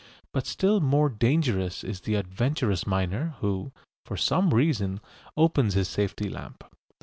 But still more dangerous is the adventurous miner who, for some reason, opens his safety lamp.